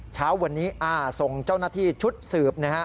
เช้าวันนี้อ้าส่งเจ้าหน้าที่ชุดสืบ